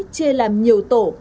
chia làm nhiều tổ